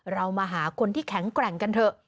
เรามาหาคนที่แข็งแกร่งกันเถอะ